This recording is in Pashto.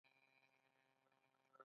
دوی ګاونډیانو ته پلاستیک ورکوي.